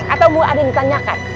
atau mau ada yang ditanyakan